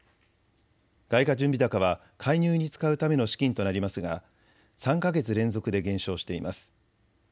外貨準備高は介入に使うための資金となりますが、３か月連続で減少しています。